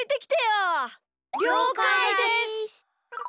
りょうかいです！